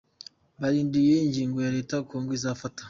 Barindiriye ingingo leta ya Congo izofata.